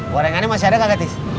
warengannya masih ada nggak gatis